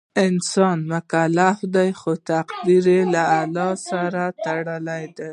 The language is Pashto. انسان مکلف دی خو تقدیر له الله سره تړلی دی.